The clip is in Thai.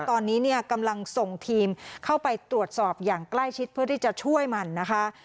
ตอนนี้เนี่ยกำลังส่งทีมเข้าไปตรวจสอบอย่างใกล้ชิดเพื่อที่จะช่วยมันนะคะ